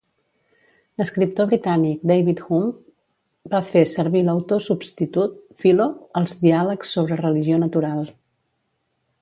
L'escriptor britànic David Hume va fer servir l'autor substitut "Philo" als "Diàlegs sobre religió natural".